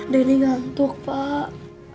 deni gantuk pak